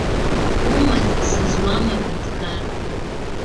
Умаҵ сызуам, аҳәынҭқар.